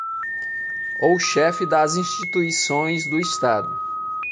Ou chefe das instituições do Estado.